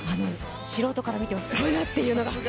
素人から見てもすごいなっていうのがすばらしい。